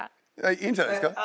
いいんじゃないですか？